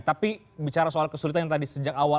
tapi bicara soal kesulitan yang tadi sejak awal